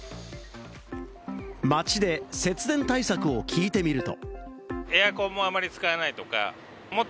街で節電対策を聞いてみると。